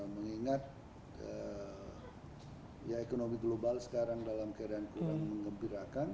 mengingat ya ekonomi global sekarang dalam keadaan kurang mengembirakan